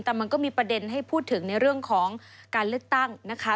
แต่มันก็มีประเด็นให้พูดถึงในเรื่องของการเลือกตั้งนะคะ